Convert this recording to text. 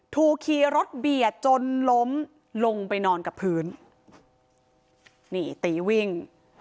ขี่รถเบียดจนล้มลงไปนอนกับพื้นนี่ตีวิ่ง